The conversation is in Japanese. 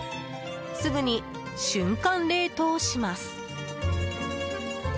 すぐに瞬間冷凍します。